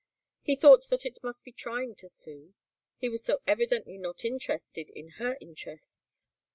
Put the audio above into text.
He thought that it must be trying to Sue. He was so evidently not interested in her interests.